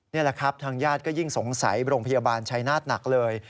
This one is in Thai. นี่แหละครับทางญาติก็ยิ่งสงสัยโรงพยาบาลชัยนาศหนักเลย